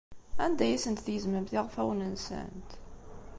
Anda ay asent-tgezmemt iɣfawen-nsent?